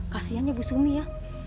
kasihannya bu sumi ya